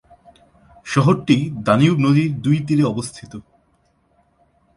শহরটি দানিউব নদীর দুই তীরে অবস্থিত।